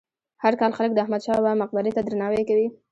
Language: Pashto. هر کال خلک د احمد شاه بابا مقبرې ته درناوی کوي.